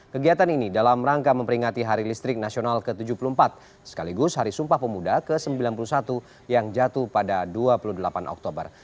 kegiatan ini dalam rangka memperingati hari listrik nasional ke tujuh puluh empat sekaligus hari sumpah pemuda ke sembilan puluh satu yang jatuh pada dua puluh delapan oktober